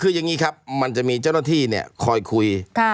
คืออย่างนี้ครับมันจะมีเจ้าหน้าที่เนี่ยคอยคุย